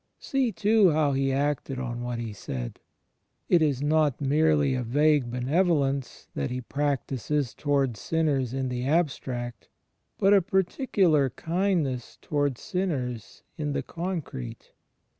See, too, how He acted on what He said. It is not merely a vague benevolence that He practises towards sinners in the abstract; but a particular kindness towards sinners in the concrete.